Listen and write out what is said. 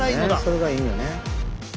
それがいいんやね。